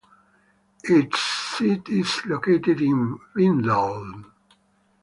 Its seat is located in Vindeln.